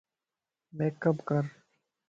ميڪ اپ ڪر